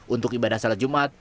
untuk ibadah salat jumat